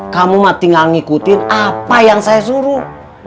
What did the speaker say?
kamu mah tinggal ngikutin apa yang saya suruh